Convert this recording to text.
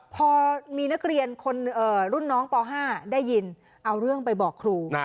พอมีนักเรียนคนรุ่นน้องป๕ได้ยินเอาเรื่องไปบอกครู